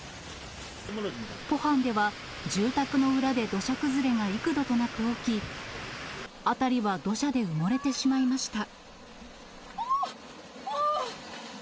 ポハンでは、住宅の裏で土砂崩れが幾度となく起き、辺りは土砂で埋もれてしまいました。